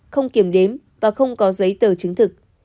không kiểm đếm và không có giấy tờ chứng thực